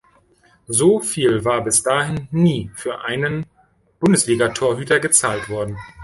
So viel war bis dahin nie für einen Bundesliga-Torhüter gezahlt worden.